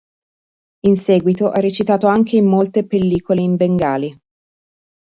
In seguito ha recitato anche in molte pellicole in bengali.